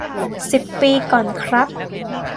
สิบปีก่อนครับ